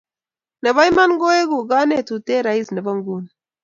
Nebo iman ko egu konetut eng Rais nemi nguni